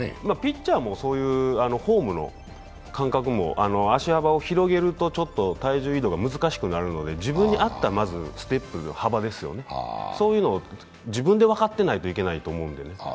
ピッチャーもそういうフォームの感覚も足幅を広げるとちょっと体重移動が難しくなるので、自分に合ったステップの幅を自分で分かってないといけないと思うんで。